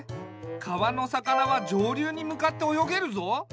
川の魚は上流に向かって泳げるぞ。